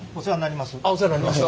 お世話になります。